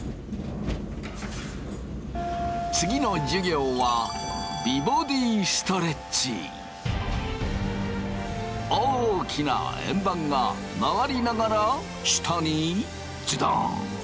次の授業は大きな円盤が回りながら下にズドン。